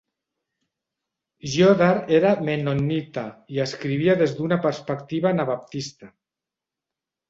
Yoder era mennonita i escrivia des d'una perspectiva anabaptista.